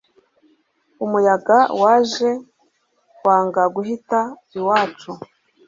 umuyaga waje wanga guhita iwacu